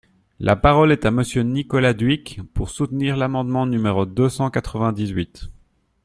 La parole est à Monsieur Nicolas Dhuicq, pour soutenir l’amendement numéro deux cent quatre-vingt-dix-huit.